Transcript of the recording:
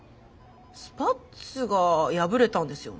スパッツが破れたんですよね。